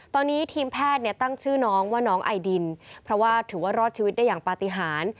ตอนนี้ทีมแพทย์เนี่ยตั้งชื่อน้องว่าน้องไอดินเพราะว่าถือว่ารอดชีวิตได้อย่างปฏิหาร